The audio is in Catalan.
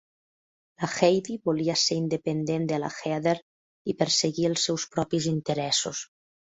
La Heidi volia ser independent de la Heather i perseguir els seus propis interessos.